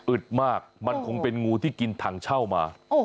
มากมันคงเป็นงูที่กินถังเช่ามา